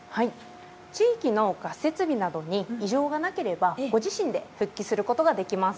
地域のガス設備などに異常がなければご自身で復帰することができます。